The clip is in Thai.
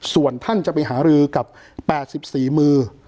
ส่วนท่านจะไปหารือกับ๘๔มือ